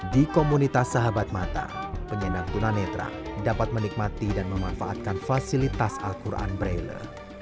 di komunitas sahabat mata penyandang tunanetra dapat menikmati dan memanfaatkan fasilitas al quran braille